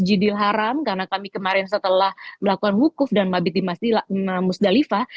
masjidil haram karena kami kemarin setelah melakukan hukuf dan mabit di masjidil haram